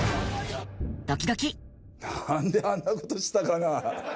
なんであんなことしたかな。